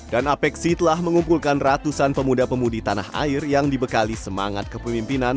apexi telah mengumpulkan ratusan pemuda pemudi tanah air yang dibekali semangat kepemimpinan